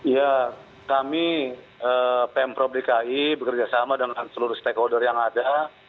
ya kami pemprov dki bekerjasama dengan seluruh stakeholder yang ada